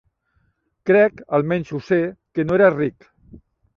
Crec –almenys ho sé- que no era ric.